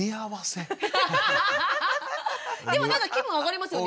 でもなんか気分上がりますよね。